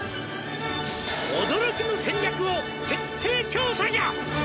「驚きの戦略を徹底調査じゃ！」